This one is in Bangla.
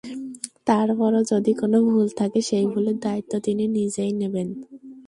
তারপরও যদি কোনো ভুল থাকে সেই ভুলের দায়িত্ব তিনি নিজেই নেবেন।